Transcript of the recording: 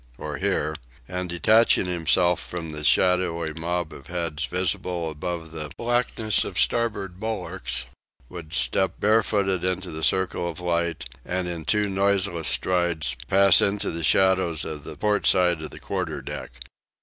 or "Here!" and, detaching himself from the shadowy mob of heads visible above the blackness of starboard bulwarks, would step bare footed into the circle of light, and in two noiseless strides pass into the shadows on the port side of the quarterdeck.